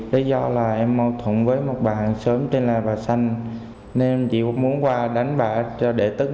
lý do là em mâu thuẫn với một bạn sớm trên làng bà xanh nên em chỉ muốn qua đánh bạc để tức